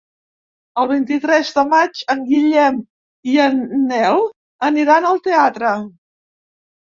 El vint-i-tres de maig en Guillem i en Nel aniran al teatre.